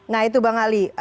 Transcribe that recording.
nah itu bang ali